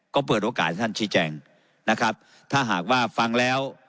ก็เปิดโอกาสให้ท่านชี้แจงนะครับถ้าหากว่าฟังแล้ว